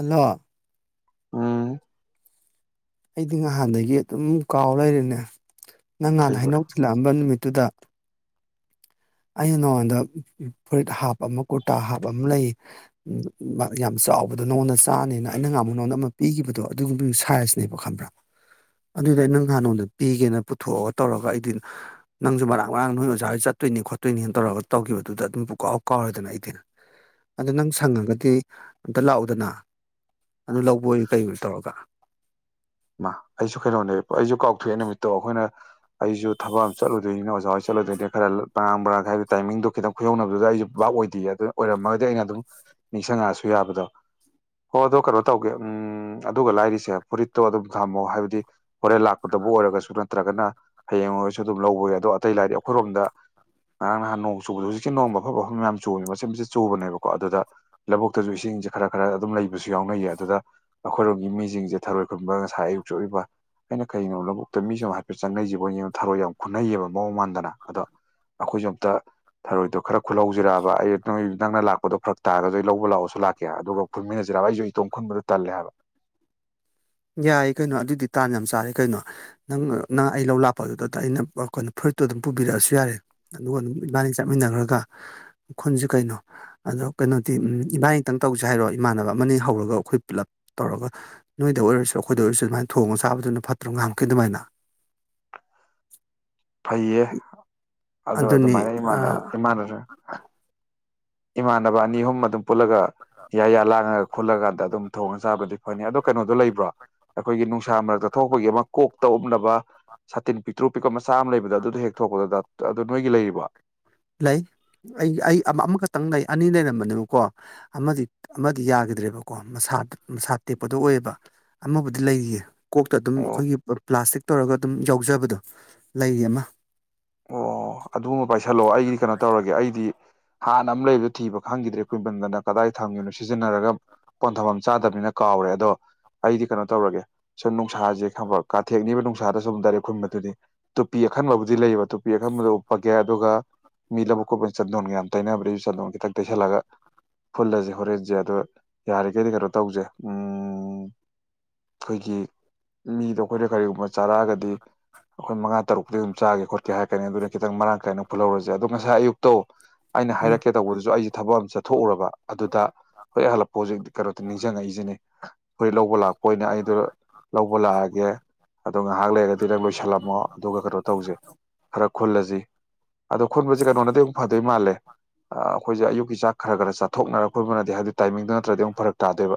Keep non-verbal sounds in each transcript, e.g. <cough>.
ꯍꯥ ꯑꯝ ꯑꯩꯗꯤ ꯅꯍꯥꯟꯗꯒꯤ ꯑꯗꯨꯝ ꯀꯥꯎ ꯂꯩꯔꯦꯅꯦ ꯅꯪ ꯅꯥꯟꯅ ꯀꯩꯕꯅꯣ ꯍꯩꯅꯧ ꯊꯤꯜꯂꯛꯑꯝꯕ ꯅꯨꯃꯤꯠꯇꯨꯗꯥ ꯑꯩꯟꯅꯉꯣꯟꯗ ꯐꯨꯔꯤꯠ ꯍꯥꯞꯄ ꯑꯃ ꯀꯨꯔꯇꯥ ꯍꯥꯞꯄ ꯑꯃ ꯂꯩ ꯌꯥꯝ ꯆꯥꯎꯕꯗꯣ ꯅꯉꯣꯟꯗ ꯆꯥꯅꯤꯅ ꯑꯩꯅ ꯉꯥꯡꯕ ꯅꯉꯣꯟꯗ ꯑꯃ ꯄꯤꯈꯤꯕꯗꯣ ꯑꯗꯨꯒꯨꯝꯕꯗꯨ ꯁꯥꯏꯖꯅꯦꯕ ꯈꯪꯕ꯭ꯔꯥ ꯑꯗꯨꯏꯗꯥ ꯑꯩ ꯅꯪ ꯍꯥꯟꯅ ꯅꯣꯟꯗ ꯄꯤꯒꯦꯅ ꯄꯨꯊꯣꯛꯑꯒ ꯇꯧꯔꯒ ꯑꯩꯗꯤ ꯅꯪꯁꯨ ꯃꯔꯥꯡ ꯃꯔꯥꯡ ꯅꯣꯏ ꯑꯣꯖꯥ ꯑꯣꯏ ꯆꯠꯇꯣꯏꯅꯤ ꯈꯣꯠꯇ ꯇꯨꯏꯅ ꯍꯦꯟ ꯇꯧꯔꯒ ꯇꯧꯈꯤꯕꯗꯨꯗ ꯑꯗꯨꯝ ꯄꯨꯀꯥꯎ ꯀꯥꯎꯔꯦꯗꯅ ꯑꯩꯗꯤꯅ ꯑꯗꯨ ꯅꯪ ꯁꯪꯉꯒꯗꯤ ꯑꯝꯇ ꯂꯥꯛꯎꯗꯅꯥ ꯑꯗꯨ ꯂꯧꯕ ꯑꯣꯏ ꯀꯩ ꯑꯣꯏ ꯇꯧꯔꯒ ꯃꯥ ꯑꯩꯁꯨ ꯀꯩꯅꯣꯝꯅꯦ ꯑꯩꯁꯨ ꯀꯥꯎꯊꯣꯛꯑꯦ ꯅꯨꯃꯤꯠꯇꯣ ꯑꯩꯈꯣꯏꯅ ꯑꯩꯁꯨ ꯊꯕꯛ ꯑꯃ ꯆꯠꯂꯨꯗꯣꯏꯅꯤ ꯑꯣꯖꯥ ꯍꯣꯏ ꯆꯠꯂꯣꯏꯗꯣꯏꯗꯤ ꯈꯔ ꯄꯔꯥꯡ ꯄꯔꯥꯡꯥꯏꯗ ꯇꯥꯏꯃꯤꯡꯗꯨꯣ ꯈꯤꯇꯪ ꯈꯨꯌꯧꯅꯕꯗꯨꯗ ꯑꯩꯁꯨ ꯕꯥꯥꯛ ꯑꯣꯏꯗꯦ ꯑꯗꯨ ꯑꯣꯏꯔꯝꯃꯒꯗꯤ ꯑꯩꯅ ꯑꯗꯨꯝ ꯅꯤꯡꯁꯪꯉꯛꯑꯁꯨ ꯌꯥꯕꯗꯣ ꯍꯣ ꯑꯗꯣ ꯀꯩꯅꯣ ꯇꯧꯒꯦ ꯎꯝ ꯑꯗꯨꯒ ꯂꯥꯏꯔꯤꯁꯦ ꯐꯨꯔꯤꯠ ꯇꯣ ꯑꯗꯨꯝ ꯊꯝꯃꯣ ꯍꯥꯏꯕꯗꯤ ꯍꯣꯔꯦꯟ ꯂꯥꯛꯄꯗꯕꯨ ꯑꯣꯏꯔꯒꯁꯨ ꯅꯠꯇ꯭ꯔꯒꯅꯥ ꯍꯌꯦꯡ ꯑꯣꯏꯁꯨ ꯑꯗꯨꯝ ꯂꯧꯕ ꯌꯥꯏ ꯑꯗꯣ ꯑꯇꯩ ꯂꯥꯏꯗꯤ ꯑꯩꯈꯣꯏꯔꯣꯝꯗꯥ ꯉꯔꯥꯡ ꯅꯍꯥꯟ ꯅꯣꯡ ꯆꯨꯕꯗ ꯍꯧꯖꯤꯛꯀꯤ ꯅꯣꯡꯃ ꯃꯐꯝ ꯃꯐꯝ ꯃꯌꯥꯝ ꯆꯨꯕꯦ ꯃꯆꯤꯟ ꯃꯆ ꯆꯨꯕꯅꯦꯕꯀꯣ ꯑꯗꯨꯗ ꯂꯧꯕꯨꯛꯇꯁꯨ ꯏꯁꯤꯡ ꯁꯦ ꯈꯔ ꯈꯔ ꯑꯗꯨꯝ ꯂꯩꯕꯁꯨ ꯌꯥꯎꯅꯩꯌꯦ ꯑꯗꯨꯗ ꯑꯩꯈꯣꯏꯔꯣꯝꯒꯤ ꯃꯤꯁꯤꯡꯁꯦ ꯊꯔꯣꯏ ꯈꯨꯟꯕ ꯉꯁꯥꯏ ꯑꯌꯨꯛ ꯆꯣꯛꯂꯤꯕ ꯑꯩꯅ ꯀꯩꯅꯒꯤꯩꯅꯣ ꯂꯧꯕꯨꯛꯇ ꯃꯤꯁꯨ ꯍꯥꯏꯐꯦꯠ ꯆꯪꯅꯩꯁꯤꯕ ꯊꯔꯣꯏ ꯌꯥꯝ ꯈꯨꯠꯅꯩꯌꯦꯕ ꯃꯑꯣꯡ ꯃꯥꯟꯗꯅ ꯑꯗꯣ ꯑꯩꯈꯣꯏꯁꯨ ꯑꯝꯇ ꯊꯔꯣꯏꯗꯣ ꯈꯔ ꯈꯨꯜꯂꯍꯧꯤꯖꯔꯕ ꯑꯩ ꯅꯣꯏ ꯅꯪꯅ ꯂꯥꯛꯄꯗꯣ ꯐꯔꯛ ꯇꯥꯔꯗꯁꯨ ꯑꯩ ꯂꯧꯕ ꯂꯥꯛꯑꯣ ꯁ ꯂꯥꯛꯀꯦ ꯑꯗꯨꯒ ꯐ ꯄꯨꯟꯃꯤꯟꯅꯁꯤꯔꯕ ꯑꯩꯁꯨ ꯏꯇꯣꯡ ꯈꯨꯟꯕꯗ ꯇꯜꯂꯦ ꯍꯥꯏꯕ <inaudible> ꯌꯥꯏꯌꯦ ꯀꯩꯅꯣ ꯑꯗꯨꯗꯤ ꯇꯥꯟ ꯌꯥꯝ ꯆꯥꯔꯦ ꯀꯩꯅꯣ ꯅꯪ ꯅꯪ ꯑꯩ ꯂꯧ ꯂꯥꯛꯄ ꯑꯗꯨꯗ ꯑꯩꯅ ꯀꯩꯅ ꯐꯨ ꯐꯨꯔꯤꯠꯇꯨ ꯑꯗꯨꯝ ꯄꯨꯕꯤꯔꯛꯑꯁꯨ ꯌꯥꯔꯦ ꯑꯗꯨꯒ ꯑꯗꯨꯝ ꯏꯃꯥꯅꯤ ꯆꯠꯃꯤꯟꯅꯈ꯭ꯔꯒ ꯈꯨꯟꯁꯤ ꯀꯩꯅꯣ ꯑ ꯀꯩꯅꯣꯗꯤ ꯏꯕꯥꯅꯤꯇꯪ ꯇꯧꯁꯦ ꯍꯥꯏꯔꯣ ꯏꯃꯥꯟꯅꯕ ꯑꯃꯅꯤ ꯍꯧꯔꯒ ꯑꯩꯈꯣꯏ ꯄꯨꯜꯂꯞ ꯇꯧꯔꯒꯥꯥ ꯅꯣꯏꯗ ꯑꯣꯏꯔ ꯑꯩꯈꯣꯏꯗ ꯑꯣꯏꯔꯁꯨ ꯑꯗꯨꯃꯥꯏꯅ ꯊꯣꯡꯉꯒ ꯆꯥꯕꯗꯨꯅ ꯐꯠꯇ꯭ꯔꯣ ꯉꯥꯡꯈꯤ ꯑꯗꯨꯃꯥꯏꯅꯥ ꯑꯗꯨ ꯑꯗꯨꯅꯤ ꯑꯗꯨꯃꯥꯏꯅ ꯏꯃꯥꯟ ꯏꯃꯥꯟꯅꯁꯨ ꯏꯃꯥꯟꯅꯕ ꯑꯅꯤ ꯑꯍꯨꯝ ꯑꯗꯨꯝ ꯄꯨꯜꯂꯒ ꯌꯥꯌꯥ ꯂꯥꯡꯉꯒ ꯈꯨꯜꯂꯀꯥꯟꯗ ꯑꯗꯨꯝ ꯊꯣꯡꯉ ꯆꯥꯕꯗꯨ ꯍꯣꯏꯅꯦ ꯑꯣ ꯀꯩꯅꯣꯗꯣ ꯂꯩꯕ꯭ꯔꯣ ꯑꯩꯈꯣꯏꯒꯤ ꯅꯨꯡꯁꯥ ꯃꯔꯛꯇ ꯊꯣꯛꯄꯒꯤ ꯑꯃ ꯀꯣꯛ ꯇꯧꯎꯞꯅꯕ ꯁꯥꯇꯤꯟ ꯄꯤꯛꯇ꯭ꯔꯨ ꯄꯤꯛꯄ ꯃꯆꯥ ꯑꯃ ꯂꯩꯕꯗ ꯑꯗꯨꯗ ꯍꯦꯛ ꯊꯣꯛꯄꯗ ꯗꯇ ꯑꯗꯨ ꯅꯣꯏꯒꯤ ꯂꯩꯔꯤꯕ ꯂꯩ ꯂꯩ ꯑꯩ ꯑꯩ ꯑꯃꯥꯈꯛꯇꯪ ꯂꯩ ꯑꯅꯤ ꯂꯩꯔꯝꯕꯅꯦꯕꯀꯣ ꯑꯃꯗꯤ ꯑꯃꯗꯤ ꯌꯥꯈꯤꯗ꯭ꯔꯦꯕꯀꯣ ꯃꯁꯥ ꯁꯥ ꯇꯦꯛꯄꯗꯣ ꯑꯣꯏꯌꯦꯕ ꯑꯃꯕꯨꯗꯤ ꯂꯩꯔꯤꯌꯦ <unintelligible> ꯀꯣꯛꯇ ꯑꯗꯨꯝ ꯑꯣ ꯑꯩꯈꯣꯏꯒꯤ ꯄ꯭ꯂꯥꯁꯇꯤꯛ ꯇꯧꯔꯒ ꯑꯗꯨꯝ ꯌꯥꯎꯖꯕꯗꯣ ꯂꯩꯔꯤ ꯑꯃ ꯑꯣ ꯑꯗꯨꯒꯨꯝꯕ ꯄꯥꯏꯁꯜꯂꯣ ꯑꯩꯗꯤ ꯀꯩꯅꯣ ꯇꯧꯔꯒꯦ ꯑꯩꯗꯤ ꯍꯥꯟꯅ ꯑꯃ ꯂꯩꯕꯗ ꯊꯤꯕ ꯈꯪꯈꯤꯗ꯭ꯔꯦ ꯀꯣꯏꯃꯟꯗꯅ ꯀꯗꯥꯏ ꯊꯝꯒꯅꯣ ꯁꯤꯖꯤꯟꯅꯔꯒ ꯄꯣꯟꯊꯐꯝ ꯆꯥꯗꯕꯅꯤꯅ ꯀꯥꯎꯔꯦ ꯑꯗꯣ ꯑꯩꯗꯤ ꯀꯩꯅꯣ ꯇꯧꯔꯒꯦ ꯁꯨꯝ ꯅꯨꯡꯁꯥꯁꯦ ꯈꯪꯕ ꯀꯥꯊꯦꯛꯅꯤꯕ ꯅꯨꯡꯁꯥꯗ ꯁꯨꯝ ꯗꯥꯏꯔꯦꯛ ꯈꯨꯟꯕꯗꯨꯗꯤ ꯇꯨꯄꯤ ꯑꯍꯟꯕꯥꯕꯨꯗꯤ ꯂꯩꯕ ꯇꯨꯄꯤ ꯑꯈꯟꯕꯗ ꯎꯞꯄꯒꯦ ꯑꯗꯨꯒ ꯃꯤ ꯂꯕꯨꯛ ꯈꯣꯠꯄ ꯆꯟꯗꯣꯟꯒ ꯌꯥꯝ ꯇꯩꯅꯕ꯭ꯔꯁꯨ ꯆꯟꯗꯣꯟ ꯈꯤꯇꯪ ꯇꯩꯁꯜꯂꯒ ꯐꯨꯜꯂꯁꯦ ꯍꯣꯔꯦꯟꯁꯦ ꯑꯗ ꯌꯥꯔꯤꯈꯩꯗꯤ ꯀꯩꯅꯣ ꯇꯧꯁꯦ ꯎꯝ ꯑꯩꯈꯣꯏꯒꯤ ꯃꯤꯗꯣ ꯑꯩꯈꯣꯏꯅ ꯀꯔꯤꯒꯨꯝꯕꯥ ꯆꯥꯔꯛꯑꯥꯗꯤꯒ ꯑꯩꯈꯣꯏ ꯃꯉꯥ ꯇꯔꯨꯛꯇꯗꯤ ꯑꯗꯨꯝ ꯆꯥꯒꯦ ꯈꯣꯠꯀꯦ ꯍꯥꯏꯔꯅꯤ ꯑꯗꯨꯅ ꯈꯤꯇꯪ ꯃꯔꯥꯡ ꯀꯥꯏꯅ ꯐꯨꯠ ꯂꯧꯔꯁꯦ ꯑꯗꯣ ꯉꯁꯥꯏ ꯑꯌꯨꯛꯇꯣ ꯑꯩꯅ ꯎꯝ ꯍꯥꯏꯔꯛꯀꯦ ꯇꯧꯕꯗꯨꯁꯨ ꯑꯩꯁꯦ ꯊꯕꯛ ꯑꯃ ꯆꯠꯊꯣꯛꯎꯔꯕ ꯑꯗꯨꯗ ꯍꯣꯏ ꯍꯜꯂꯛꯄ ꯍꯧꯖꯤꯛꯇꯤ ꯀꯩꯅꯣꯗꯣ ꯅꯤꯡꯖꯡ ꯉꯛꯏꯁꯤꯅꯦ ꯍꯣꯏ ꯂꯧꯕ ꯂꯥꯛꯄ ꯑꯣꯏꯅ ꯑꯩꯗꯣ ꯂꯧꯕ ꯂꯥꯛꯑꯒꯦ ꯑꯗꯣ ꯉꯥꯏꯍꯥꯛ ꯂꯩꯔꯒꯗꯤ ꯅꯪ ꯂꯣꯏꯁꯤꯜꯂꯝꯃꯣ ꯑꯗꯨꯒ ꯀꯩꯅꯣ ꯇꯧꯖꯦ ꯈꯨꯜꯂꯁꯤ ꯑꯗꯣ ꯈꯨꯟꯕꯁꯦ ꯀꯩꯅꯣꯅꯗꯤ ꯑꯃꯨꯛ ꯐꯗꯣꯏ ꯃꯥꯜꯂꯦ ꯑꯩꯈꯣꯏꯁꯦ ꯑꯌꯨꯛꯀꯤ ꯆꯥꯛ ꯈꯔꯈꯔ ꯆꯥꯊꯣꯛꯅꯔꯛ ꯈꯠꯕꯅꯗꯤ ꯍꯥꯏꯕꯗꯤ ꯇꯥꯏꯃꯤꯡꯗꯨꯣ ꯅꯠꯇ꯭ꯔꯗꯤ ꯑꯃꯨꯛ ꯐꯔꯛ ꯇꯥꯗ‌ꯣꯕ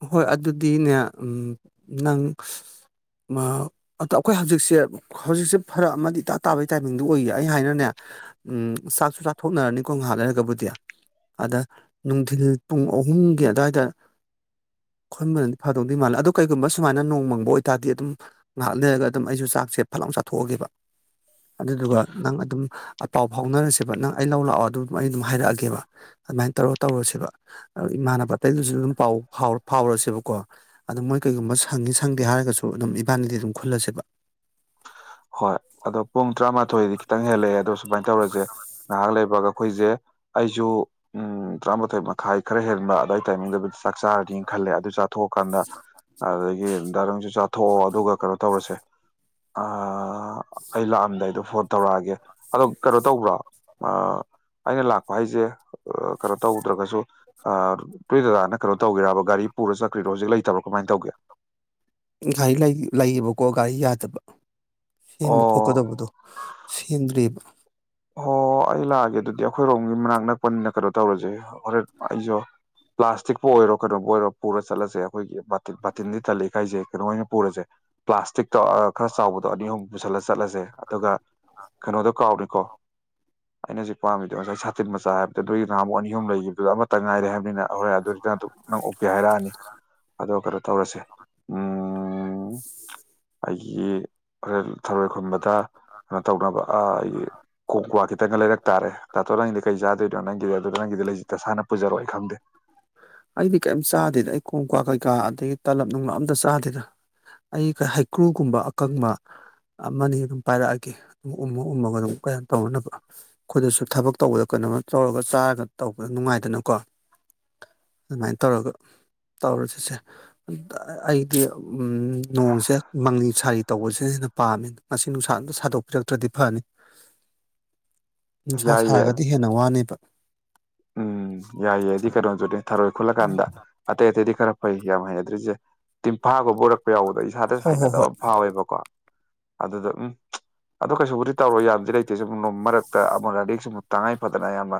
ꯍꯣꯏ ꯑꯗꯨꯗꯤꯅꯦ ꯎꯝ ꯅꯪ ꯃꯥ ꯑꯩꯈꯣꯏ ꯍꯧꯖꯤꯛꯁꯦ ꯍꯧꯖꯤꯛꯁꯦ ꯐꯔ ꯑꯃꯗꯤ ꯏꯇꯥ ꯇꯥꯕꯒꯤ ꯇꯥꯏꯃꯤꯡꯗꯨꯣ ꯑꯣꯏꯌꯦ ꯑꯩ ꯍꯥꯏꯅꯅꯦ ꯎꯝ ꯆꯥꯛꯁꯨ ꯆꯥꯊꯣꯛꯅꯔꯅꯤꯀꯣ ꯉꯍꯥꯟꯅꯔꯒꯕꯨꯗꯤ ꯑꯗ ꯅꯨꯡꯊꯤꯜ ꯄꯨꯡ ꯑꯍꯨꯝꯒꯤ ꯑꯗꯨꯋꯥꯏꯗ ꯈꯈꯣꯏꯕꯅꯗꯤ ꯐꯗꯧꯗꯤ ꯃꯥꯜꯂꯦ ꯑꯗꯣ ꯀꯩꯒꯨꯝꯕ ꯁꯨꯃꯥꯏꯅ ꯅꯣꯡ ꯃꯪꯕ ꯑꯣꯏꯕꯇꯥꯔꯗꯤ ꯑꯗꯨꯝ ꯉꯥꯏꯍꯥꯛ ꯂꯩꯔꯒ ꯑꯗꯨꯝ ꯑꯩꯁꯨ ꯆꯥꯛꯁꯦ ꯐꯠꯂꯥꯎ ꯆꯥꯊꯣꯛꯑꯒꯦꯕ ꯑꯗꯨꯗꯨꯒ ꯅꯪ ꯑꯗꯨꯝ ꯑꯄꯥꯎ ꯐꯥꯎꯅꯔꯁꯦꯕ ꯅꯪ ꯑꯩ ꯂꯧ ꯂꯥꯛꯑꯣ ꯑꯗꯨ ꯑꯩ ꯑꯗꯨꯝ ꯍꯥꯏꯔꯛꯑꯒꯦꯕ ꯑꯗꯨꯃꯥꯏꯅ ꯇꯧꯔ ꯇꯧꯔꯁꯦ ꯏꯃꯥꯟꯅꯕ ꯄꯠꯇ ꯑꯗꯨꯝ ꯄꯑꯣ ꯐꯥꯎꯔꯁꯦꯕꯀꯣ ꯑꯗ ꯃꯣꯏ ꯀꯩꯒꯨꯝꯕ ꯁꯪꯉꯤ ꯁꯪꯗꯦ ꯍꯥꯏꯔꯒꯁꯨ ꯑꯗꯨꯝ ꯏꯕꯥꯅꯤꯗꯤ ꯑꯗꯨꯝ ꯈꯨꯜꯂꯁꯦꯕ <inaudible> ꯍꯣꯏ ꯑꯗꯣ ꯄꯨꯡ ꯇꯔꯥꯃꯥꯊꯣꯏꯗꯤ ꯈꯤꯇꯪ ꯍꯦꯜꯂꯛꯑꯦ ꯑꯗꯣ ꯁꯨꯃꯥꯏꯅ ꯇꯧꯔꯁꯦ ꯉꯥꯏꯍꯥꯛ ꯂꯩꯕꯒ ꯑꯩꯈꯣꯏꯁꯦ ꯑꯩꯁꯨ ꯎꯝ ꯇꯔꯥꯃꯥꯊꯣꯏ ꯃꯈꯥꯏ ꯈꯔ ꯍꯦꯟꯕ ꯑꯗꯨꯋꯥꯏ ꯇꯥꯏꯃꯤꯡꯗꯨꯕꯨꯗꯤ ꯆꯥꯛ ꯆꯥꯔꯅꯤꯅ ꯈꯜꯂꯦ ꯑꯗꯨ ꯊꯣꯛꯀꯥꯟꯗ ꯑꯗꯒꯤ ꯗꯔꯪꯁꯨ ꯆꯥꯊꯣꯛꯑꯣ ꯑꯗꯨꯒ ꯀꯩꯅꯣ ꯇꯧꯔꯁꯦ ꯑꯩ ꯂꯥꯛꯑꯝꯗꯥꯏꯗꯣ ꯐꯣꯟ ꯇꯧꯔꯛꯑꯒꯦ ꯑꯗꯣ ꯀꯩꯅꯣ ꯇꯧꯕ꯭ꯔꯣ ꯑꯩꯅ ꯂꯥꯛꯄ ꯍꯥꯏꯁꯦ ꯀꯩꯅꯣ ꯇꯧꯗ꯭ꯔꯒꯁꯨ ꯇꯨꯏ ꯗꯗꯥꯅ ꯀꯩꯅꯣ ꯇꯧꯒꯦꯔꯕ ꯒꯥꯔꯤ ꯄꯨꯔ ꯆꯠ꯭ꯔꯤꯗꯣ ꯍꯧꯖꯤꯛ ꯂꯩꯇꯕꯣ ꯀꯃꯥꯏꯅ ꯇꯧꯒꯦ <inaudible> ꯔꯤ ꯂꯩꯌꯦꯕꯀꯣ ꯘꯔꯤ ꯌꯥꯗꯕ ꯁꯦꯝꯕ ꯑꯣ ꯊꯣꯛꯀꯗꯕꯗꯣ ꯁꯦꯟꯗ꯭ꯔꯤꯕ ꯑꯣ ꯑꯩ ꯂꯥꯛꯑꯒꯦ ꯑꯗꯨꯗꯤ ꯑꯩꯈꯣꯏꯔꯣꯝꯒꯤ ꯃꯅꯥꯛ ꯅꯛꯄꯅꯤꯅ ꯀꯩꯅꯣ ꯇꯧꯔꯁꯦ ꯍꯣꯔꯦꯟ ꯑꯩꯁꯨ ꯄ꯭ꯂꯥꯁꯇꯤꯛꯄꯨ ꯑꯣꯏꯔꯣ ꯀꯩꯅꯣꯕꯨ ꯑꯣꯏꯔꯣ ꯄꯨꯔ ꯆꯠꯂꯁꯦ ꯑꯩꯈꯣꯏꯒꯤ ꯇ ꯕꯥꯇꯤꯟꯗꯤ ꯇꯜꯂꯛꯦꯈꯥꯏꯁꯦ ꯀꯩꯅꯣ ꯑꯣꯏꯅ ꯄꯨꯔꯁꯦ ꯄ꯭ꯂꯥꯁꯇꯤ ꯈꯔ ꯆꯥꯎꯕꯗꯣ ꯑꯅꯤ ꯑꯍꯨꯝ ꯄꯨꯁꯜꯂ ꯆꯠꯂꯁꯦ ꯑꯗꯨꯒ ꯀꯩꯅꯣꯗꯣ ꯀꯥꯎꯔꯤꯀꯣ ꯑꯩꯅ ꯍꯧꯖꯤꯛ ꯄꯥꯝꯗꯤꯗ ꯉꯁꯥꯏ ꯁꯥꯇꯤꯟ ꯆꯥ ꯍꯥꯏꯕꯗꯤ ꯑꯗꯨꯒꯤ ꯅꯍꯥꯃꯛ ꯑꯅꯤ ꯑꯍꯨꯝ ꯂꯩꯈꯤꯕꯗꯨꯗꯣ ꯑꯃꯠꯇꯇ ꯉꯥꯏꯔꯦ ꯍꯥꯏꯕꯅꯤꯅ ꯍꯣꯏ ꯑꯗꯨꯗꯤ ꯅꯪ ꯅꯪ ꯑꯣꯛꯀꯦ ꯍꯥꯏꯔꯛꯑꯅꯤ ꯑꯗꯣ ꯀꯩꯅꯣ ꯇꯧꯔꯁꯦ ꯎꯝ ꯑꯩ ꯑꯩꯒꯤ ꯍꯣꯔꯦꯟ ꯊꯔꯣꯏ ꯈꯨꯨꯝꯕꯗ ꯀꯩꯅꯣ ꯇꯧꯅꯕ ꯑꯩꯒꯤ ꯀꯣꯛ ꯀ꯭ꯋꯥ ꯈꯤꯇꯪ ꯂꯩꯔꯛ ꯇꯥꯔꯦ ꯇꯥꯇꯣ ꯅꯪꯗꯤ ꯀꯩ ꯆꯥꯗꯣꯏꯣ ꯅꯪꯒꯤꯗꯤ ꯑꯗꯨꯗꯣ ꯅꯪꯗꯤ ꯂꯩ ꯁꯤ ꯇꯁꯥꯅ ꯄꯨꯖꯔꯛꯑꯣ ꯑꯩ ꯈꯪꯗꯦ ꯑꯩꯗꯤ ꯀꯩꯝ ꯆꯥꯗꯦꯗ ꯑꯩ ꯀꯣꯡ ꯀ꯭ꯥ ꯀꯩꯀꯥ ꯑꯗꯒꯤ ꯇꯥꯂꯞ ꯅꯨꯡꯂꯥꯞ ꯑꯝꯇ ꯆꯥꯗꯦꯗ ꯑꯩ ꯍꯩꯀ꯭ꯔꯨꯒꯨꯝꯕ ꯑꯀꯪꯕ ꯑꯃꯅꯤ ꯑꯗꯨꯝ ꯄꯥꯏꯔꯛꯑꯒꯦ ꯑꯗꯨꯝ ꯎꯝꯃ ꯎꯝꯃꯒ ꯑꯗꯨꯝ ꯀꯌꯥ ꯇꯧꯅꯅꯕ ꯑꯩꯈꯣꯏꯗꯁꯨ ꯊꯕꯛ ꯇꯧꯕꯗ ꯀ ꯀꯩꯅꯣ ꯇꯧꯔꯒ ꯆꯥꯔꯒ ꯇꯧꯕꯗ ꯅꯨꯡꯉꯥꯏꯗꯅꯀꯣ ꯑꯗꯨꯃꯥꯏꯅ ꯇꯧꯔꯒ ꯇꯧꯔꯁꯤꯁꯦ ꯑꯩꯗꯤ ꯎ ꯅꯣꯡꯁꯦ ꯃꯥꯡꯅꯤꯡ ꯁꯥꯔꯤ ꯇꯧꯕꯁꯦ ꯁꯤꯅ ꯄꯥꯝꯃꯦ ꯃꯁꯤ ꯅꯨꯡꯁꯥꯗ ꯁꯥꯗꯣꯛꯄꯤꯔꯛꯇ꯭ꯔꯗꯤ ꯐꯅꯤ ꯅꯨꯡꯁꯥ ꯌꯥꯏꯌꯦ ꯁꯥꯔꯒꯗꯤ ꯍꯦꯟꯅ ꯋꯥꯅꯦꯕ ꯎꯝ ꯌꯥꯏꯌꯦ ꯌꯥꯏꯗꯤ ꯀꯩꯅꯗꯣꯖꯅꯦꯦ ꯊꯥꯔꯣꯏꯈꯠꯂꯛ ꯀꯥꯟꯗ ꯑꯇꯩ ꯑꯇꯩꯗꯤ ꯈꯔ ꯐꯩ ꯌꯥꯝ ꯍꯅꯗ꯭ꯔꯤꯁꯦ ꯇꯤꯟꯝꯐꯥꯒ ꯎꯔꯛꯄ ꯌꯥꯎꯕꯗꯣ ꯏꯁꯥꯗ ꯍꯣꯏ ꯍꯣꯏ ꯁꯥꯏꯅꯗꯕ ꯍꯣꯏ ꯑꯃ ꯐꯥꯎꯋꯦꯕꯀꯣ ꯑꯗꯨꯗ ꯎꯝ ꯑꯗꯣ ꯀꯩꯁꯨꯕꯨꯗꯤ ꯇꯧꯔꯣ ꯌꯥꯝꯗꯤ ꯂꯩꯇꯦ ꯁ ꯅꯣꯡ ꯃꯔꯛ ꯔꯁ ꯇꯥꯡꯉꯥꯏ ꯄꯗꯅ ꯑꯃ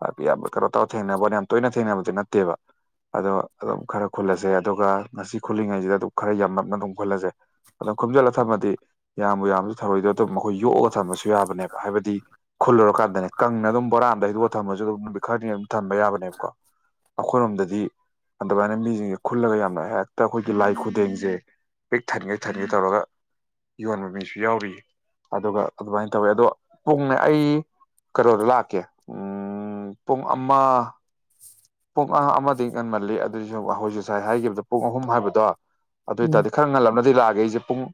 ꯍꯥꯏ ꯑꯕ ꯈꯔ ꯇ ꯊꯦꯡꯅꯕꯅ ꯌꯥꯝ ꯇꯣꯏꯅ ꯊꯦꯡꯅꯕꯗꯤ ꯅꯠꯇꯦꯕ ꯑꯗꯣ ꯑꯗꯨꯝ ꯈꯔ ꯈꯨꯜꯂꯁꯦ ꯑꯗꯨꯒ ꯉꯁꯤ ꯈꯨꯜꯂꯤꯉꯩꯁꯤꯗ ꯑꯗꯨꯝ ꯈꯔ ꯌꯥꯝꯂꯞꯅ ꯑꯗꯨꯝ ꯈꯨꯜꯂꯁꯦ ꯑꯗꯨꯝ ꯈꯨꯝꯝꯖꯤꯜꯂ ꯊꯝꯃꯗꯤ ꯌꯥꯝꯕꯨ ꯌꯥꯝꯁꯨ ꯊꯧꯔꯣꯏꯗ ꯑꯗꯨꯝ ꯃꯈꯣꯏ ꯌꯣꯛꯑꯒ ꯊꯝꯝꯕꯁꯨ ꯌꯥꯕꯅꯦꯕ ꯍꯥꯏꯕꯗꯤ ꯈꯨꯜꯂꯨꯔꯀꯥꯟꯗꯅꯦ ꯀꯪꯅ ꯑꯗꯨꯝ ꯕꯣꯔꯥꯗ ꯍꯩꯗꯣꯛꯑ ꯊꯝꯃꯁꯨ ꯑꯗꯨꯝ ꯅꯨꯃꯤꯠ ꯈꯔꯅꯤ ꯑꯗꯨꯝ ꯊꯝꯕ ꯌꯥꯕꯅꯦꯕꯀꯣ ꯑꯩꯈꯣꯏꯔꯣꯝꯗꯗꯤ ꯑꯗꯨꯃꯥꯏꯅ ꯃꯤꯁꯤꯡꯁꯦ ꯈꯨꯜꯂꯒ ꯌꯥꯝꯅ ꯍꯦꯛꯇ ꯑꯩꯈꯣꯏꯒꯤ ꯂꯥꯏ ꯈꯨꯗꯦꯡꯁꯦ ꯄꯤꯛ ꯊꯟꯒꯦ ꯊꯟꯒꯦ ꯇꯧꯔꯒ ꯌꯣꯟꯕ ꯃꯤꯁꯨ ꯌꯥꯎꯔꯤꯌꯦ ꯑꯗꯨꯒ ꯑꯗꯨꯃꯥꯏꯅ ꯇꯧꯋꯦ ꯑꯗꯣ ꯄꯨꯡꯅ ꯑꯩ ꯀꯩꯅꯣꯗ ꯂꯥꯛꯀꯦ ꯎ ꯄꯨꯡ ꯑꯃ ꯄꯨꯡ ꯑ ꯑꯃꯗꯤ ꯉꯟꯃꯜꯂꯤ ꯑꯗꯨꯏꯁꯨ ꯑꯩꯈꯣꯏ ꯉꯁꯥꯏ ꯍꯥꯏꯈꯤꯕꯗ ꯄꯨꯡ ꯑꯍꯨꯝ ꯍꯥꯏꯕꯗꯣ ꯑꯗꯨ ꯎꯝ ꯑꯣꯏꯇꯥꯔꯗꯤ ꯈꯔ ꯉꯜꯂꯝꯅꯗꯤ ꯂꯥꯛꯑꯦ ꯑꯩꯁꯦ ꯄꯨꯡ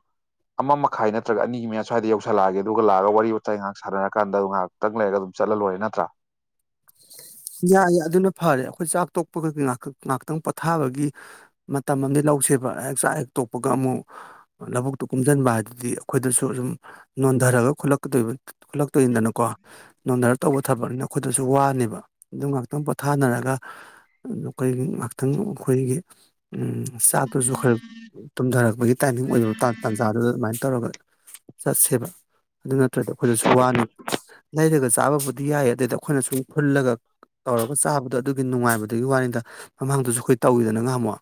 ꯑꯃ ꯃꯈꯥꯏ ꯅꯠꯇ꯭ꯔꯒ ꯑꯅꯤꯒꯤ ꯃꯌꯥ ꯁ꯭ꯋꯥꯏꯗ ꯌꯧꯁꯜꯂꯛꯑꯒꯦ ꯑꯗꯨꯒ ꯂꯥꯛꯑꯒ ꯋꯥꯔꯤ ꯋꯥꯇꯥꯏ ꯉꯥꯏꯍꯥꯛ ꯁꯅꯔꯛ ꯀꯥꯟꯗ ꯉꯥꯏꯍꯥꯛꯇꯪ ꯂꯩꯔꯒ ꯑꯗꯨꯝ ꯆꯠꯂ ꯂꯣꯏꯔꯦ ꯅꯠꯇ꯭ꯔꯥ ꯌꯥꯏ ꯑꯗꯨꯅ ꯐꯔꯦ ꯑꯩꯈꯣꯏ ꯆꯥꯛ ꯇꯣꯛꯄꯒ ꯉꯥꯏꯍꯥꯛꯇꯪ ꯄꯣꯊꯥꯕꯒꯤ ꯃꯇꯝ ꯑꯃꯗꯤ ꯇꯧꯁꯦꯕ ꯆꯥꯛ ꯍꯦ ꯛ ꯇꯣꯛꯄꯒ ꯑꯃꯨꯛ ꯂꯧꯕꯨꯛꯇꯨ ꯀꯨꯝꯁꯤꯟꯕ ꯍꯥꯏꯗꯨꯗꯤ ꯑꯩꯈꯣꯏꯗꯁꯨ ꯑꯗꯨꯨꯝ ꯅꯣꯟꯊꯔꯒꯂꯣꯏ ꯈꯨꯠꯂꯛꯇꯣꯏꯅꯤꯗꯅꯀꯣ ꯅꯣꯟꯊꯔꯒ ꯇꯧꯕ ꯊꯕꯛꯅꯤꯅ ꯑꯩꯈꯣꯏꯗꯁꯨ ꯋꯥꯅꯦꯕ ꯑꯗꯨꯝ ꯉꯥꯏꯍꯥꯛꯇꯪ ꯄꯣꯊꯥꯅꯔꯒ ꯑꯩꯈꯣꯏꯒꯤ ꯉꯥꯏꯍꯥꯛꯇꯪ ꯑꯩꯈꯣꯏꯒꯤ ꯆꯥꯛꯇꯨꯁꯨ ꯈꯔ ꯇꯨꯝꯊꯔꯛꯄꯒꯤ ꯇꯥꯏꯃꯤꯡ ꯑꯣꯏꯗꯕ ꯇꯥꯟꯖꯥꯗꯨꯗ ꯑꯗꯨꯃꯥꯏꯅ ꯇꯧꯔꯒ ꯆꯥꯛ ꯁꯦꯕ ꯑꯗꯨ ꯅꯠꯇ꯭ꯔꯗ ꯑꯩꯈꯣꯏꯗꯁꯨ ꯋꯥꯅꯦꯕ ꯅꯔꯒ ꯆꯥꯕꯕꯨꯗꯤ ꯌꯥꯏ ꯑꯗꯨꯏꯗ ꯑꯩꯈꯣꯏꯅ ꯁꯨꯝ ꯐꯨꯜꯂꯒ ꯇꯧꯔꯒ ꯆꯥꯕꯗꯣ ꯑꯗꯨꯒꯤ ꯅꯨꯡꯉꯥꯏꯕꯗꯨꯒꯤ ꯋꯥꯔꯤꯅꯤꯗ ꯃꯃꯥꯡꯗꯨꯁꯨ ꯑꯩꯈꯣꯏ ꯇꯧꯋꯤꯗꯅꯒ ꯍꯝꯃꯛ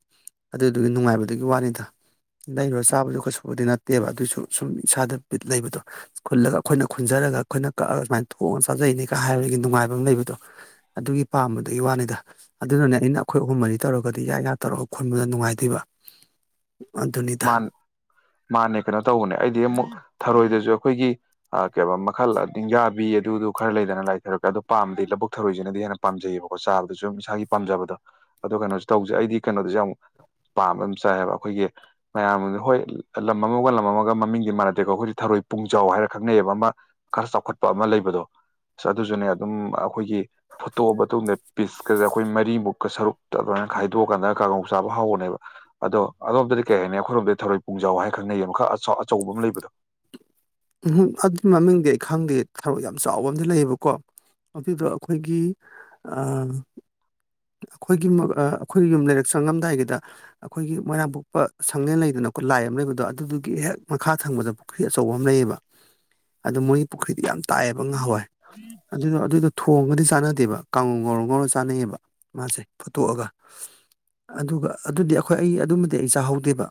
ꯑꯗꯨꯗꯨꯒꯤ ꯅꯨꯡꯉꯥꯏꯕꯗꯨꯒꯤ ꯋꯥꯅꯤꯗ ꯂꯩꯔꯨꯔ ꯆꯥꯕꯗꯨ ꯀꯩꯁꯨꯕꯗꯤ ꯅꯠꯇꯦꯕ ꯑꯗꯨꯏꯁꯨ ꯁꯨꯝ ꯏꯁꯥꯗ ꯂꯩꯕꯗꯣ ꯈꯨꯜꯂꯒ ꯑꯩꯈꯣꯏꯅ ꯈꯨꯟꯖꯔ ꯈꯠꯂꯒ ꯑꯩꯈꯣꯏꯅ ꯀꯛꯑꯒ ꯁꯨꯃꯥꯏꯅ ꯊꯣꯛꯑꯅ ꯆꯥꯖꯩꯅꯤꯒ ꯍꯥꯏꯕꯒꯤ ꯅꯨꯡꯉꯥꯏꯕ ꯑꯃ ꯂꯩꯕꯗꯣ ꯑꯗꯨꯒꯤ ꯄꯥꯝꯕꯗꯨꯒꯤ ꯋꯥꯅꯤꯗ ꯑꯗꯨꯅꯅꯦ ꯑꯩꯅ ꯑꯩꯈꯣꯏ ꯑꯍꯨꯝ ꯃꯔꯤ ꯇꯧꯔꯒꯗꯤ ꯌꯥ ꯏ ꯌꯥ ꯇꯧꯔꯒ ꯈꯣꯟꯟꯕꯗ ꯅꯨꯡꯉꯥꯏꯇꯕ <inaudible> ꯃꯥꯅꯦ ꯀꯩꯅꯣ ꯇꯧꯕꯅꯦ ꯑꯩꯗꯤ ꯑꯃꯨꯛ ꯊꯔꯣꯏꯗꯁꯨ ꯑꯩꯈꯣꯏꯒꯤ ꯃꯈꯜ ꯅꯤꯡꯌꯥꯕꯤ ꯑꯗꯨꯗꯨ ꯈꯔ ꯂꯩꯗꯅ ꯂꯥꯏꯊꯔꯛꯄꯦ ꯑꯣ ꯄꯥꯝꯗꯗꯤ ꯂꯕꯨꯛ ꯊꯧꯔꯣꯏꯁꯤꯅꯗꯤ ꯍꯦꯟꯅ ꯄꯥꯝꯖꯩꯌꯦꯕꯀꯣ ꯆꯥꯕꯗ ꯁꯨꯝ ꯏꯁꯥꯒꯤ ꯄꯥꯝꯖꯕꯗꯣ ꯑꯗꯣ ꯀꯩꯅꯣꯁꯨ ꯇꯧꯁꯦ ꯑꯩꯗꯤ ꯀꯩꯅꯣꯗꯁꯨ ꯌꯥꯝ ꯄꯥꯝꯕꯝ ꯆꯥꯏꯌꯦꯕ ꯑꯩꯈꯣꯏꯒꯤ ꯃꯌꯥꯝ ꯍꯣꯏ ꯂꯝ ꯑꯃꯒ ꯂꯝ ꯑꯃꯒ ꯃꯃꯤꯡꯗꯤ ꯃꯥꯟꯅꯗꯦꯀꯣ ꯑꯩꯈꯣꯏꯗꯤ ꯊꯔꯣꯏ ꯄꯨꯡꯖꯥꯎ ꯍꯥꯏꯔ ꯈꯪꯅꯩꯕ ꯑꯃ ꯈꯔ ꯆꯥꯎꯈꯠꯄ ꯑꯃ ꯂꯩꯕꯗꯣ ꯑꯗꯨꯁꯨꯅꯦ ꯑꯗꯨꯝ ꯑꯩꯈꯣꯏꯒꯤ ꯐꯣꯠꯇꯣꯛꯑ ꯃꯇꯨꯡꯗ ꯄꯤꯁꯀꯁꯦ ꯑꯩꯈꯣꯏ ꯃꯔꯤꯃꯨꯛꯀ ꯁꯔꯨꯛꯇ ꯑꯗꯨꯃꯥꯏꯅ ꯈꯥꯏꯗꯣꯛꯑꯀꯥꯟꯗ ꯀꯥꯡꯉꯧ ꯆꯥꯕ ꯍꯧꯧꯕꯅꯦꯕ ꯑꯗꯣ ꯑꯗꯣꯝ ꯀꯩ ꯍꯥꯏꯅꯤ ꯑꯩꯈꯣꯏꯔꯣꯝꯗ ꯊꯧꯔꯣꯏ ꯄꯨꯡꯖꯥꯎ ꯍꯥꯏ ꯈꯪꯅꯩꯌꯦ ꯃꯈꯥ ꯑꯆꯧꯕ ꯑꯃ ꯂꯩꯕꯗꯣ ꯎꯝ ꯑꯗꯨ ꯃꯃꯤꯡꯗꯤ ꯑꯩ ꯈꯪꯗꯦ ꯊꯕꯛ ꯌꯥꯝ ꯆꯥꯎꯕ ꯑꯝ ꯂꯩꯌꯦꯕꯀꯣ ꯑꯗꯨꯗ ꯑꯩꯈꯣꯏꯒꯤ ꯑ ꯑꯩꯈꯣꯏꯒꯤ ꯑꯩꯈꯣꯏꯒꯤ ꯌꯨꯝ ꯂꯩꯔꯛ ꯆꯪꯉꯝꯗꯥꯏꯒꯤꯗ ꯑꯩꯈꯣꯏꯒꯤ ꯃꯣꯏꯔꯥꯡ ꯄꯣꯛꯄ ꯁꯪꯂꯦꯟ ꯂꯩꯗꯅ ꯂꯥꯏ ꯑꯃ ꯂꯩꯕꯗꯣ ꯑꯗꯨꯗꯨꯒꯤ ꯍꯦꯛ ꯃꯈꯥ ꯊꯪꯕꯗ ꯄꯨꯈ꯭ꯔꯤ ꯑꯆꯧꯕ ꯑꯃ ꯂꯩꯌꯦꯕ ꯑꯗꯨ ꯃꯣꯏꯒꯤ ꯄꯨꯈ꯭ꯔꯤꯗꯤ ꯌꯥꯝ ꯇꯥꯏꯑꯦꯕ ꯉꯍꯥꯟꯋꯥꯏ ꯑꯗꯨꯅ ꯑꯗꯨꯗꯣ ꯊꯣꯡꯒꯗꯤ ꯆꯥꯟꯅꯗꯦꯕ ꯀꯥꯡꯉꯧꯔ ꯉꯧꯔ ꯆꯥꯟꯅꯩꯑꯕ ꯃꯥꯁꯦ ꯐꯣꯠꯇꯣꯛꯑꯒ ꯑꯗꯨꯒ ꯑꯗꯨꯗꯤ ꯑꯩꯈꯣꯏ ꯑꯩ ꯑꯗꯨꯃꯗꯤ ꯑꯩ ꯆꯥꯍꯧꯗꯦꯕ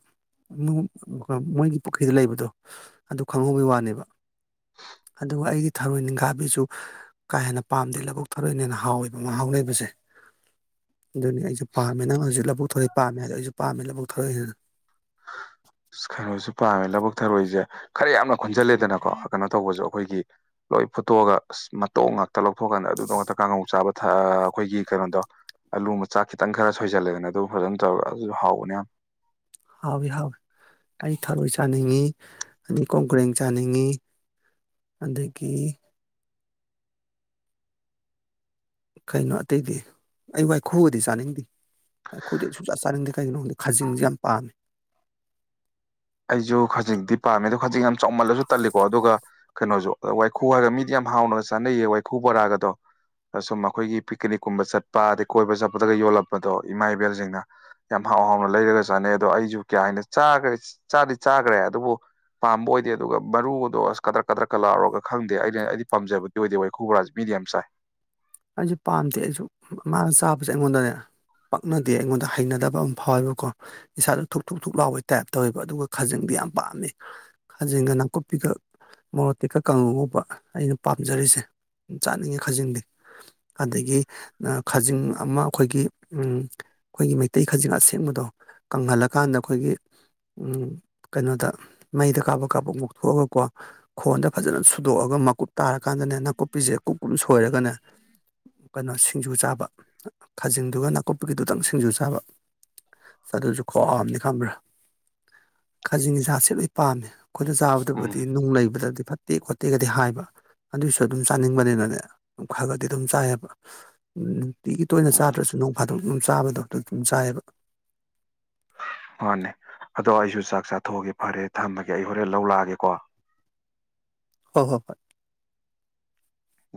ꯃꯣꯏꯒꯤ ꯄꯨꯈ꯭ꯔꯤꯗ ꯂꯩꯕꯗꯣ ꯑꯗꯨ ꯈꯪꯍꯧꯕꯩ ꯋꯥꯅꯦꯕ ꯑꯗꯨꯒ ꯑꯩꯒꯤ ꯊꯔꯣꯏ ꯅꯤꯡꯈꯥꯕꯤꯁꯨ ꯀꯥ ꯍꯦꯟꯅ ꯄꯥꯝꯗꯦ ꯂꯕꯨꯛ ꯊꯔꯣꯏꯅ ꯍꯦꯟꯅ ꯍꯥꯎꯋꯦꯕ ꯃꯍꯥꯎ ꯂꯩꯩꯕꯁꯦ ꯑꯗꯨꯅꯤ ꯑꯩꯁꯨ ꯄꯥꯝꯃꯦ ꯅꯪ ꯍꯧꯖꯤꯛ ꯂꯧꯕꯨꯛ ꯊꯔꯣꯏ ꯄꯥꯝꯃꯦ ꯍꯥꯏꯗ ꯑꯩꯁꯨ ꯄꯥꯝꯃꯦ ꯂꯧꯕꯨꯛ ꯊꯧꯔꯛꯏꯅ <inaudible> ꯈꯩꯅꯣꯁꯨ ꯄꯥꯝꯃꯦ ꯂꯕꯨꯛ ꯊꯔꯣꯏꯁꯦ ꯈꯔ ꯌꯥꯝꯅ ꯈꯟꯖꯜꯂꯦꯗꯅꯀꯣ ꯀꯩꯅꯣ ꯇꯧꯕꯁꯨ ꯑꯩꯈꯣꯏꯒꯤ ꯂꯣꯏ ꯐꯨꯠꯇꯣꯛꯑꯒ ꯑꯁ ꯃꯇꯧ ꯉꯥꯛꯇ ꯂꯧꯊꯣꯛꯀꯥꯟꯗ ꯑꯗꯨꯗ ꯉꯛꯇ ꯀꯥꯡꯉꯧ ꯆꯥꯕ ꯑꯩꯈꯣꯏꯒꯤ ꯀꯩꯅꯣꯗꯣ ꯑꯂꯨ ꯃꯆꯥ ꯈꯤꯇꯪ ꯈꯔ ꯁꯣꯏꯁꯤꯜꯂꯦꯒꯅ ꯑꯗꯨ ꯐꯖꯅ ꯇꯧꯔꯒ ꯑꯗꯨꯁꯨ ꯍꯥꯎꯕꯅꯦ ꯌꯥꯝ ꯍꯥꯎꯋꯤ ꯍꯥꯎꯋꯤ ꯑꯩ ꯊꯔꯣꯏ ꯆꯥꯅꯤꯡꯉꯤ ꯑꯅꯤ ꯀꯣꯡꯒ꯭ꯔꯦꯡ ꯆꯥꯅꯤꯡꯉꯤ ꯑꯗꯗꯒꯤ ꯀꯩꯅꯣ ꯑꯇꯩꯗꯤ ꯑꯩ ꯋꯥꯏꯈꯨꯕꯗꯤ ꯆꯥꯅꯤꯡꯗꯦ ꯑꯩꯈꯣꯏꯗꯤ ꯁꯨꯡꯆꯥ ꯆꯥꯅꯤꯡꯗꯦ ꯀꯩꯒꯤꯅꯣ ꯈꯪꯗꯦ ꯈꯥꯖꯤꯡꯁꯦ ꯌꯥꯝ ꯄꯥꯝꯃꯦ ꯑꯩꯁꯨ ꯈꯖꯤꯛꯇꯤ ꯄꯥꯝꯃꯦꯗ ꯈꯖꯤꯛ ꯌꯥꯝ ꯆꯥꯎꯃꯜꯂꯁꯨ ꯇꯜꯂꯤꯀꯣ ꯑꯗꯨꯒ ꯀꯩꯅꯣꯁꯨ ꯋꯥꯏꯈꯨ ꯍꯥꯏꯔꯒ ꯃꯤꯗꯤ ꯌꯥꯝ ꯍꯥꯎꯅꯕꯒ ꯆꯥꯅꯩꯌꯦ ꯋꯥꯏꯈꯨ ꯕꯣꯔꯥꯒꯗꯣ ꯁꯨꯝ ꯑꯩꯈꯣꯏꯒꯤ ꯄꯤꯛꯅꯤꯛꯀꯨꯝꯕ ꯆꯠꯄ ꯑꯗꯩ ꯀꯣꯏꯕ ꯆꯠꯄꯗꯒ ꯌꯣꯜꯂꯛꯄꯗꯣ ꯏꯃꯥ ꯏꯕꯦꯜꯁꯤꯡꯅ ꯌꯥꯝ ꯍꯥꯎ ꯍꯥꯎꯅ ꯂꯩꯔꯒ ꯆꯥꯅꯩ ꯑꯗꯣ ꯑꯩꯁꯨ ꯀꯌꯥ ꯍꯥꯏꯟꯅ ꯆꯥꯈꯦ ꯆꯥꯗꯤ ꯆꯥꯈ꯭ꯔꯦ ꯑꯗꯨꯕꯨ ꯄꯥꯝꯕ ꯑꯣꯏꯗꯦ ꯑꯗꯨꯒ ꯃꯔꯨꯗꯣ ꯑꯁ ꯀꯗ꯭ꯔꯛ ꯀꯗ꯭ꯔꯛꯀ ꯂꯥꯎꯔꯒ ꯈꯪꯗꯦ ꯑꯩꯅ ꯑꯩꯗꯤ ꯄꯥꯝꯖꯕꯗꯤ ꯑꯣꯏꯗꯦ ꯋꯥꯏ ꯈꯨꯕꯔꯥꯥꯁꯦ ꯃꯤꯅ ꯌꯥꯝ ꯆꯥꯏ ꯑꯩꯁꯨ ꯄꯥꯝꯗꯦ ꯑꯩꯁꯨ ꯃꯥꯅ ꯆꯥꯕꯁꯦ ꯑꯩꯉꯣꯟꯗꯅꯦ ꯄꯛꯅꯗꯦ ꯑꯩꯉꯣꯟꯗ ꯍꯩꯅꯗꯕ ꯑꯃ ꯐꯥꯎꯋꯦꯕꯀꯣ ꯏꯁꯥꯗꯣ ꯊꯨꯛ ꯊꯨꯛꯊꯨꯛꯂꯥꯎꯑꯦꯇꯥꯏꯞ ꯇꯧꯋꯦꯕ ꯑꯗꯨꯒ ꯈꯖꯪ ꯌꯥꯝ ꯄꯥꯝꯃꯤ ꯈꯥꯖꯦꯟꯒ ꯅꯥꯀꯨꯞꯄꯤꯈꯛ ꯃꯣꯔꯣꯇꯤꯀ ꯀꯥꯡꯨꯒꯕ ꯑꯩꯅ ꯄꯥꯝꯖꯔꯤꯁꯦ ꯆꯥꯅꯤꯡꯉꯤ ꯈꯖꯤꯡꯗꯤ ꯑꯗꯒꯤ ꯈꯥꯖꯤꯡ ꯑꯃ ꯑꯩꯈꯣꯏꯒꯤ ꯑꯩꯈꯣꯏꯒꯤ ꯃꯩꯇꯩ ꯈꯖꯤꯡ ꯑꯁꯦꯡꯕꯗꯣ ꯀꯪꯍꯜꯂꯀꯥꯟꯗ ꯑꯩꯈꯣꯏꯒꯤ ꯎ ꯀꯩꯅꯣꯗ ꯃꯩꯗ ꯀꯥꯞꯄꯛ ꯀꯥꯞꯄ ꯃꯨꯛꯊꯣꯛꯑꯒꯀꯣ ꯈꯣꯟꯗ ꯐꯖꯅ ꯁꯨꯗꯣꯛꯑꯒ ꯃꯀꯨꯞ ꯇꯥꯔꯀꯥꯟꯗꯅꯦ ꯅꯥꯀꯨꯞꯄꯤꯁꯦ ꯀꯨꯞ ꯀꯨꯝ ꯁꯣꯏꯔꯒꯅꯦ ꯀꯩꯅꯣ ꯁꯤꯡꯖꯨ ꯆꯥꯕ ꯈꯥꯖꯤꯡꯗꯨꯒ ꯅꯥꯀꯨꯞꯄꯒꯤꯗꯨꯇꯪ ꯁꯤꯡꯖꯨ ꯆꯥꯕ ꯆ ꯑꯗꯨꯁꯨ ꯈ꯭ꯝꯅꯤ ꯈꯪꯕ꯭ꯔꯥ ꯀꯥꯖꯤꯡꯒꯤꯖꯥꯠꯁꯦ ꯂꯣꯏ ꯄꯥꯝꯃꯦ ꯑꯩꯈꯣꯏꯅ ꯆꯥꯕꯗꯕꯨꯗꯤ ꯎꯝ ꯅꯨꯡ ꯂꯩꯕꯗꯗꯤ ꯐꯠꯇꯦ ꯈꯣꯠꯇꯦꯒꯗꯤ ꯍꯥꯏꯕ ꯑꯗꯨꯏꯁꯨ ꯑꯗꯨꯝ ꯆꯥꯅꯤꯡꯕꯅꯤꯅꯅꯦ ꯐꯔꯒꯗꯤ ꯑꯗꯨꯝ ꯆꯥꯏꯑꯕ ꯅꯨꯡꯇꯤꯒꯤ ꯇꯣꯏꯅ ꯎꯝ ꯆꯥꯗ꯭ꯔꯁꯨ ꯅꯣꯡ ꯐꯥ ꯑꯗꯨ ꯑꯗꯨꯝ ꯆꯥꯕꯗꯣ ꯍꯗ ꯑꯗꯨꯝ ꯆꯥꯏꯑꯕ ꯃꯥꯅꯦ ꯑꯗꯣ ꯑꯩꯁꯨ ꯆꯥꯛ ꯆꯥꯊꯣꯛꯑꯒꯦ ꯐꯔꯦ ꯊꯝꯃꯒꯦ ꯑꯩ ꯍꯣꯔꯦꯟ ꯂꯧ ꯂꯥꯛꯑꯒꯦꯀꯣ ꯍꯣꯏ ꯍꯣꯏ ꯍꯣꯏ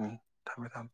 ꯎꯝ ꯊꯝꯃꯦ ꯊꯝ